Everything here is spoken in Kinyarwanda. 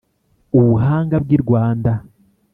ubuhanga bw'i rwanda